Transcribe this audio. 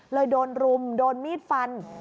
โดนรุมโดนมีดฟัน